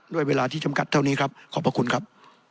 เวลาที่จำกัดเท่านี้ครับขอบพระคุณครับ